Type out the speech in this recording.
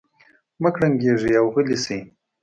مه کړنګېږئ او غلي شئ.